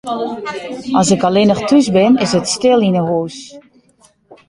As ik allinnich thús bin, is it stil yn 'e hús.